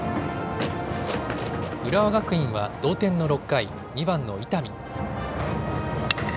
浦和学院は同点の６回、２番の伊丹。